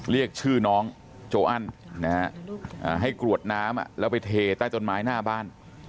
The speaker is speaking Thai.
เรียกชื่อน้องโจอันให้กรวดน้ำแล้วไปเทใต้ต้นไม้หน้าบ้าน